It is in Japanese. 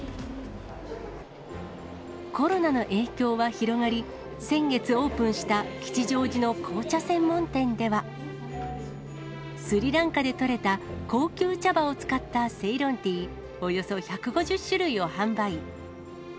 コロナの影響は広がり、先月オープンした吉祥寺の紅茶専門店では、スリランカで取れた高級茶葉を使ったセイロンティー、およそ１５０種類を販売。